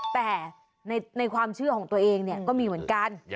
แต่ในความเชื่อของตัวเองเนี่ยก็มีเหมือนกัน